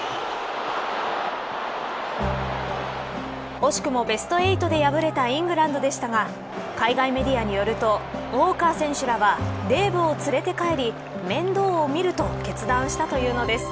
惜しくもベスト８で敗れたイングランドでしたが海外メディアによるとウォーカー選手らはデーブを連れて帰り面倒を見ると決断したというのです。